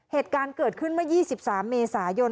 เหตุการณ์เกิดขึ้นเมื่อ๒๓เมษายน